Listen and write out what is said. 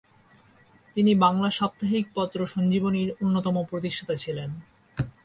তিনি বাংলা সাপ্তাহিক পত্র সঞ্জীবনী-র অন্যতম প্রতিষ্ঠাতা ছিলেন।